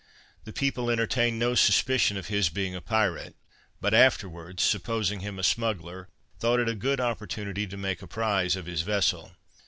The people entertained no suspicion of his being a pirate, but afterwards supposing him a smuggler, thought it a good opportunity to make a prize of his vessel.